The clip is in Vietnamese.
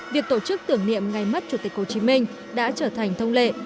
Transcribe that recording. việc tổ chức tưởng niệm ngày mất chủ tịch hồ chí minh đã trở thành thông lệ